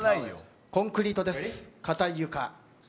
コンクリートです、硬い床。